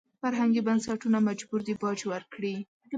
فرهنګي بنسټونه مجبور دي باج ورکړي.